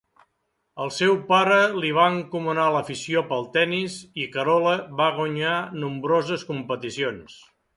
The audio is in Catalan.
El seu pare li va encomanar l'afició pel tenis i Carola va guanyar nombroses competicions.